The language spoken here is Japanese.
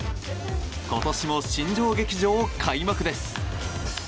今年も新庄劇場、開幕です。